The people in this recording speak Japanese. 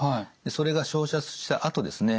それが照射したあとですね